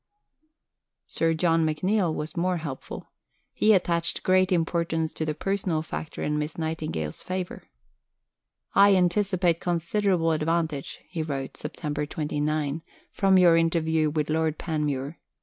Sir John McNeill was more hopeful. He attached great importance to the personal factor in Miss Nightingale's favour: "I anticipate considerable advantage," he wrote (Sept. 29), "from your interview with Lord Panmure.